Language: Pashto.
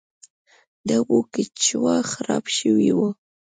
د اوبو کیچوا خراب شوی و.